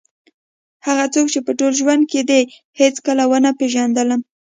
هغه څوک چې په ټول ژوند کې دې هېڅکله ونه پېژندلم.